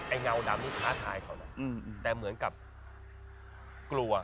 ไอ้เงาดำมันท้าทายเค้านะแต่เหมือนกับเกลียว